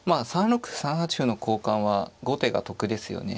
３六歩３八歩の交換は後手が得ですよね。